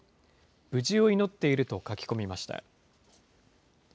無事を祈っていると書き込みました。